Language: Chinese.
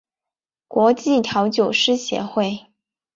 国际调酒师协会